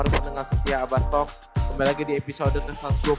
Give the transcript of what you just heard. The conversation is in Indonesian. kembali lagi di episode ke dua puluh lima